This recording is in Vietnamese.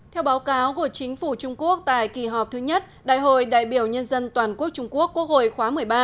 theo báo cáo của chính phủ trung quốc tại kỳ họp thứ nhất đại hội đại biểu nhân dân toàn quốc trung quốc quốc hội khóa một mươi ba